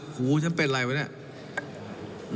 หูฉันเป็นอะไรวะเนี่ย